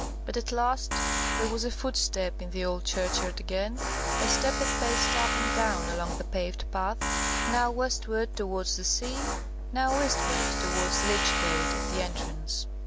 But at last there was a footstep in the old churchyard again, a step that paced up and down along the paved path; now westward towards the sea, now eastward towards the Lych gate at the entrance.